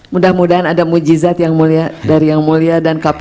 mudah mudahan ada mujizat yang mulia dari yang mulia dan kpk